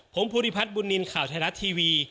ผมภูริพัฒน์บุญนินทร์ข่าวไทยรัฐทีวี